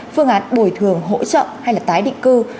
phương án bồi thường hỗ trợ hay là tái định cư